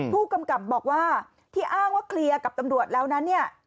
ผู้กำกับบอกว่าที่อ้างว่าเคลียร์กับตำรวจแล้วนั้นเนี่ย